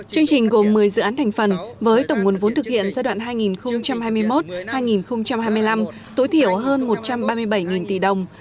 chương trình gồm một mươi dự án thành phần với tổng nguồn vốn thực hiện giai đoạn hai nghìn hai mươi một hai nghìn hai mươi năm tối thiểu hơn một trăm ba mươi bảy tỷ đồng